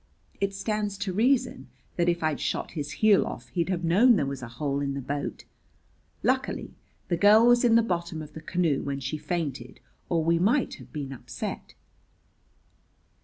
It stands to reason that if I'd shot his heel off he'd have known there was a hole in the boat. Luckily the girl was in the bottom of the canoe when she fainted or we might have been upset."